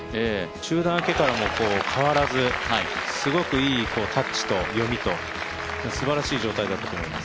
中断明けからも変わらずすごくいいタッチと読みと、すばらしい状態だったと思います。